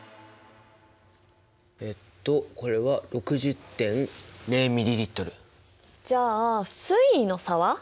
えっとこれはじゃあ水位の差は？